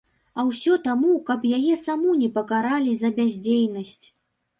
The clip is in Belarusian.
А ўсё таму, каб яе саму не пакаралі за бяздзейнасць.